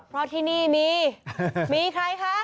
เพราะที่นี่มีมีใครคะ